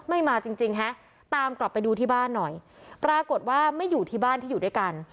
มาจริงจริงฮะตามกลับไปดูที่บ้านหน่อยปรากฏว่าไม่อยู่ที่บ้านที่อยู่ด้วยกัน